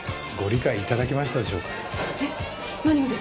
えっ何がですか？